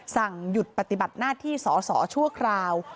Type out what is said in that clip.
สั่งหยุดปฏิบัติหน้าที่สอสอชั่วคราว